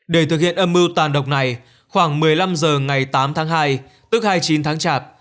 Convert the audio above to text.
để thực hiện âm mưu tàn độc này khoảng một mươi năm h ngày tám tháng hai tức hai mươi chín tháng chạp